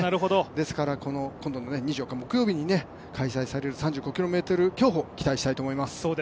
なので今度の２４日木曜日に開催される３５ｋｍ競歩、期待したいと思います。